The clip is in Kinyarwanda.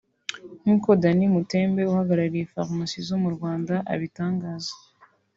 nkuko Danny Mutembe uhagarariye farumasi zo mu Rwanda abitangaza